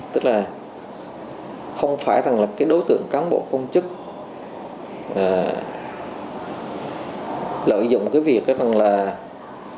tức là không phải là đối tượng cán bộ công chức lợi dụng cái việc ở nhà ở xã hội giá nó rẻ